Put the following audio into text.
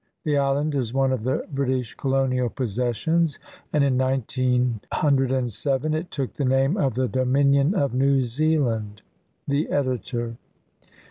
The island is one of the British colonial possessions, and in 1907 it took the name of the Dominion of New Zealand. The Editor.